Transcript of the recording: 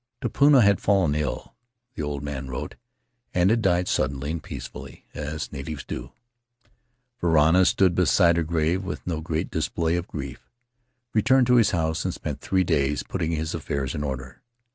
Tupuna had fallen ill (the old man wrote) and had died suddenly and peacefully, as natives do. Varana stood beside her grave with no great display o£ grief, returned to his house and spent three days putting his affairs in order.